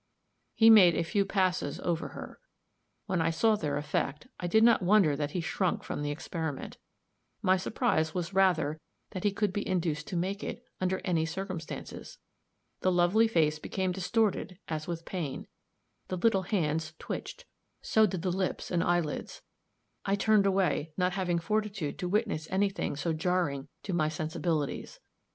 He made a few passes over her; when I saw their effect, I did not wonder that he shrunk from the experiment my surprise was rather that he could be induced to make it, under any circumstances. The lovely face became distorted as with pain; the little hands twitched so did the lips and eyelids. I turned away, not having fortitude to witness any thing so jarring to my sensibilities.